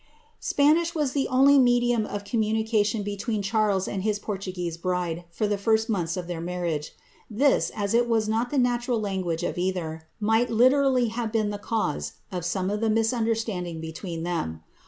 " Sptniih was the only medium of communication between Charles and his P<h* tuguese bride, for the first months of their marriafe. This, as it Tts not the natural language of either, might literally nave been the erase of some of the misunderstanding between them.